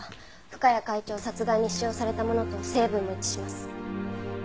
深谷会長殺害に使用されたものと成分も一致します。